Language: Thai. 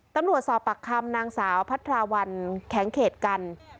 ตำรวจสอบปากคำนางสาวพัทราวันแข็งเขตกัน